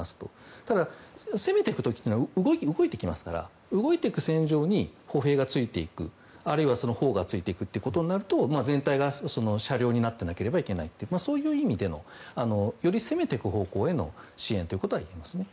ただ、攻めていく時は動いていきますから動いていく戦場に歩兵がついていくあるいは砲がついていくということになると全体が車両になっていなければいけないとそういう意味でのより攻めていく方向での支援はできると思います。